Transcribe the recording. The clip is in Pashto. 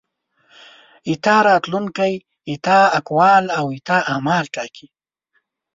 ستا راتلونکی ستا اقوال او ستا اعمال ټاکي.